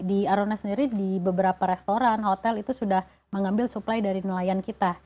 di arona sendiri di beberapa restoran hotel itu sudah mengambil supply dari nelayan kita